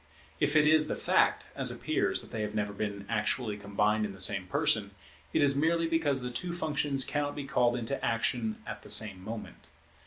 If it is the fact, as appears, that they have never been actually combined in the same person, it is merely because the two functions cannot be called into action at the same moment.